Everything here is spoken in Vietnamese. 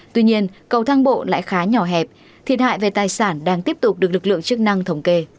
tuy nhiên cầu thang bộ lại khá nhỏ hẹp thiệt hại về tài sản đang tiếp tục được lực lượng chức năng thống kê